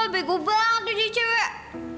bego banget dia cewek